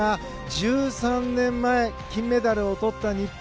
１３年前、金メダルを取った日本。